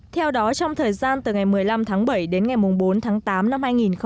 theo đó trong thời gian từ ngày một mươi năm tháng bảy đến ngày bốn tháng tám năm hai nghìn một mươi chín